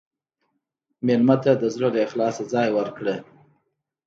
مېلمه ته د زړه له اخلاصه ځای ورکړه.